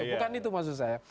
bukan itu maksud saya